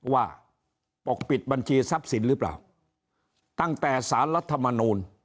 ปกปิดบัญชีทรัพย์สินหรือเปล่าตั้งแต่สารรัฐมนูล